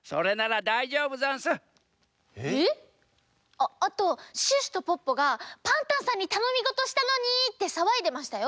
あっあとシュッシュとポッポが「パンタンさんにたのみごとしたのに」ってさわいでましたよ。